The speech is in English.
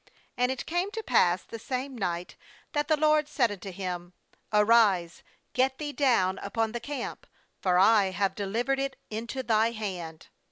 9And it came to pass the s«tme night, that the LORD said unto him: 'Arise, get thee down upon the camp; for I have delivered it into thy hand.